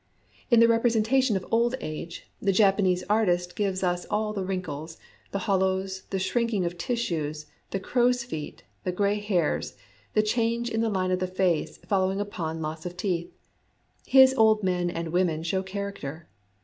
In the representation of old age, the Japa nese artist gives us all the wrinkles, the hol lows, the shrinking of tissues, the "crow's feet," the gray hairs, the change in the line of the face following upon loss of teeth. His old men and women show character.